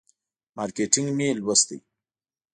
مارکیټینګ مې لوستی.